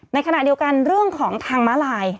ในขณะเดียวกันเรื่องของทางม้าลาย